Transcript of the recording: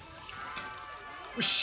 よし。